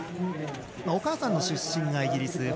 お母さんの出身がイギリス。